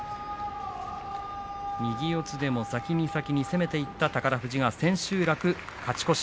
右四つでも先に先に攻めていった宝富士が千秋楽勝ち越し。